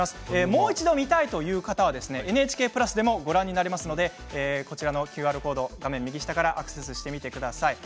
もう一度見たいという方はＮＨＫプラスでもご覧になりますのでＱＲコードからアクセスしてみてください。